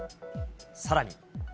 さらに。